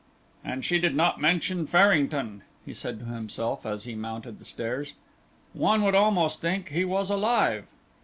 "And she did not mention Farrington!" he said to himself, as he mounted the stairs. "One would almost think he was alive."